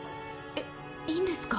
えっいいんですか？